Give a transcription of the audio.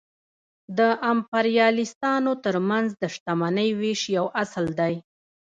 د امپریالیستانو ترمنځ د شتمنۍ وېش یو اصل دی